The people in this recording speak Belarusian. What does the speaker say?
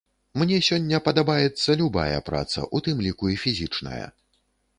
Мне сёння падабаецца любая праца, у тым ліку і фізічная.